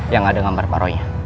yang ada gambar paroi nya